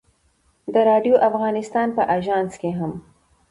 د راډیو افغانستان په اژانس کې هم.